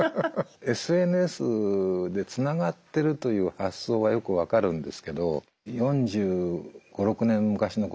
ＳＮＳでつながってるという発想はよく分かるんですけど４５４６年昔のことを思い出すんですけどね。